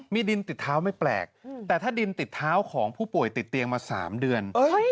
มีดินติดเท้าไม่แปลกแต่ถ้าดินติดเท้าของผู้ป่วยติดเตียงมา๓เดือน